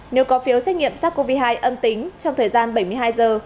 nếu có phiếu xét nghiệm sars cov hai âm tính trong thời gian bảy mươi hai giờ